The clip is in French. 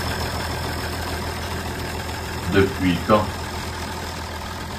Depuis quand ?